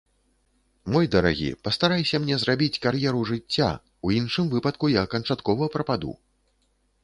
Мой дарагі, пастарайся мне зрабіць кар'еру жыцця, у іншым выпадку я канчаткова прападу.